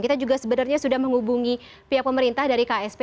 kita juga sebenarnya sudah menghubungi pihak pemerintah dari ksp